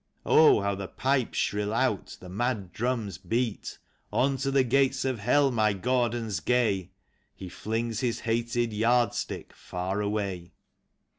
Oh, how the pipes shrill out, the mad drums beat !" On to the gates of Hell, my Gordons gay !" He flings his hated yardstick far away.